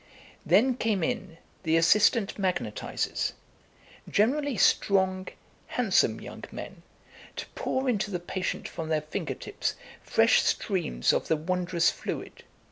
Then came in the assistant magnetisers, generally strong, handsome young men, to pour into the patient from their finger tips fresh streams of the wondrous fluid.